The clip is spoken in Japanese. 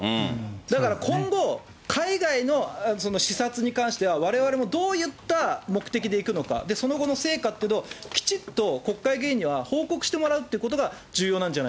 だから今後、海外のその視察に関しては、われわれもどういった目的で行くのか、その後の成果っていうのを、きちっと国会議員には報告してもらうということが重要なんじゃな